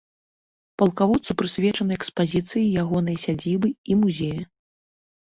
Палкаводцу прысвечаны экспазіцыі ягонай сядзібы і музея.